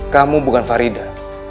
kamu bukan farita